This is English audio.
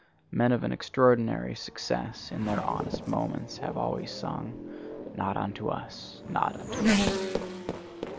Men of an extraordinary success, in their honest moments, have always sung, 'Not unto us, not unto us.